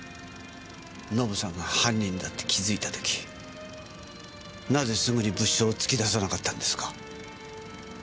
のぶさんが犯人だって気づいた時なぜすぐに物証を突き出さなかったんですか？